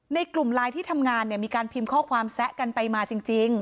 ในกลุ่มไลน์ที่ทำงานเนี่ยมีการพิมพ์ข้อความแซะกันไปมาจริง